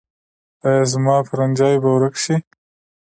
ایا زما پرنجی به ورک شي؟